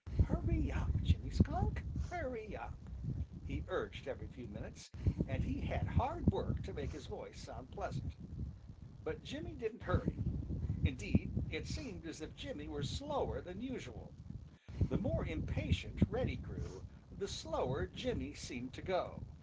"Hurry up, Jimmy Skunk! Hurry up!" he urged every few minutes, and he had hard work to make his voice sound pleasant. But Jimmy didn't hurry. Indeed, it seemed as if Jimmy were slower than usual. The more impatient Reddy grew, the slower Jimmy seemed to go.